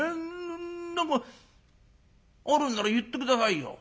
何かあるんなら言って下さいよ」。